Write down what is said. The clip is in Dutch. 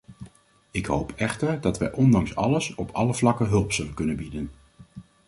Ik hoop echter dat wij ondanks alles, op alle vlakken hulp zullen kunnen bieden.